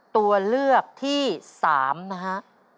ตัวเลือกที่๓นะฮะ